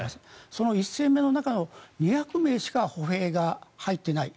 その１０００名の中の２００名しか歩兵が入っていない。